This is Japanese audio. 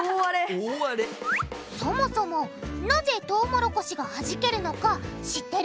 そもそもなぜトウモロコシがはじけるのか知ってる？